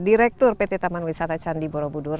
direktur pt taman wisata candi borobudur